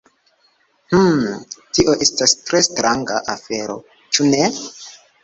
Hmm, tio estas tre stranga afero, ĉu ne?